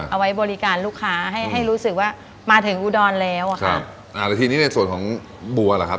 เอาไว้บริการลูกค้าให้ให้รู้สึกว่ามาถึงอุดรแล้วอ่ะครับอ่าแล้วทีนี้ในส่วนของบัวล่ะครับ